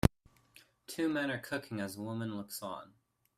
Two men are cooking as a woman looks on.